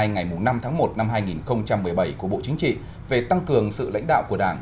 ngày năm tháng một năm hai nghìn một mươi bảy của bộ chính trị về tăng cường sự lãnh đạo của đảng